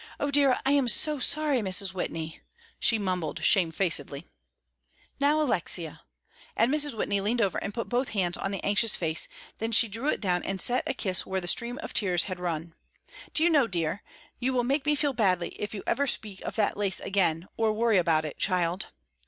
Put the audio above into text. "O dear, I am so sorry, Mrs. Whitney!" she mumbled shamefacedly. "Now, Alexia," and Mrs. Whitney leaned over and put both hands on the anxious face, then she drew it down and set a kiss where a stream of tears had run, "do you know, dear, you will make me feel badly if you ever speak of that lace again, or worry about it, child."